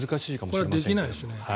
これはできないですね。